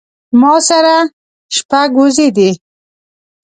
ما سره شپږ وزې دي